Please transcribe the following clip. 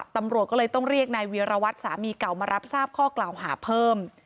ตำรวจก็เลยต้องเรียกนายเวียรวัตรสามีเก่ามารับทราบข้อกล่าวหาเพิ่ม